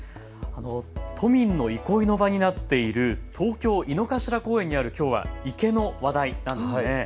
都民の憩いの場になっている東京井の頭公園にあるきょうは池の話題なんです。